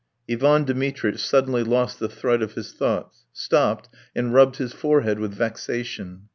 Ivan Dmitritch suddenly lost the thread of his thoughts, stopped, and rubbed his forehead with vexation.